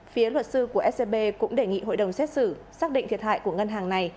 phía luật sư của scb cũng đề nghị hội đồng xét xử xác định thiệt hại của ngân hàng này